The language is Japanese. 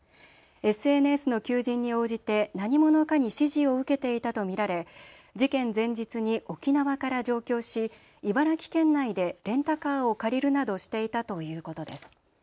ＳＮＳの求人に応じて何者かに指示を受けていたと見られ事件前日に沖縄から上京し茨城県内でレンタカーを借りるなどしていたということです。